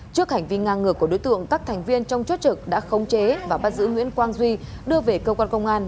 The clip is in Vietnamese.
trước hành vi ngang ngược của đối tượng các thành viên trong chốt trực đã khống chế và bắt giữ nguyễn quang duy đưa về cơ quan công an